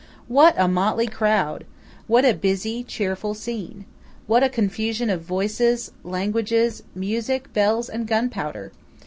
What a motley crowd! What a busy, cheerful scene! What a confusion of voices, languages, music, bells and gunpowder!